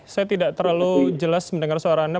saya tidak terlalu jelas mendengar suara anda